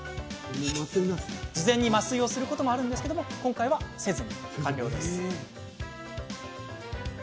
事前に麻酔をすることもありますが今回はせずに完了。